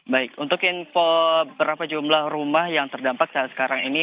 baik untuk info berapa jumlah rumah yang terdampak saat sekarang ini